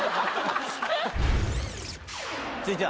続いては。